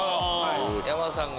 山田さんが。